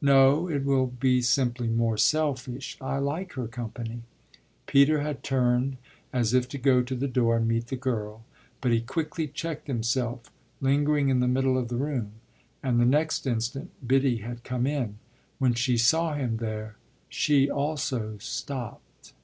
"No, it will be simply more selfish I like her company." Peter had turned as if to go to the door and meet the girl; but he quickly checked himself, lingering in the middle of the room, and the next instant Biddy had come in. When she saw him there she also stopped.